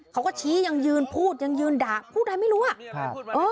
เขาก็ชี้ยังยืนพูดยังยืนด่าพูดอะไรไม่รู้อ่ะ